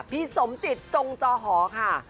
พี่สมจิตจงจอหอค่ะ